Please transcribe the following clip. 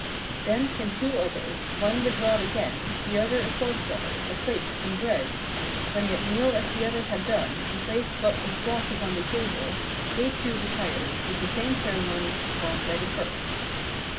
"Then came two others, one with rod again, the other a "salt cellar, a plate, and bread; when they had kneeled as the "others had done and placed what was brought upon the "table, they too retired, with the same ceremonies performed "by the first.